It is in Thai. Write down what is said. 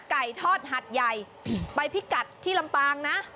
ไก่ทอดหัดใหญ่ไปพิกัดที่ลำปางนะ